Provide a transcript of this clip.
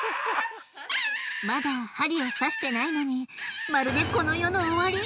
まだ針を刺してないのにまるでこの世の終わり。